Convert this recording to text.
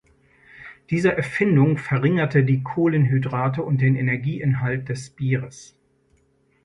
Diese Erfindung verringerte die Kohlenhydrate und den Energieinhalt des Bieres.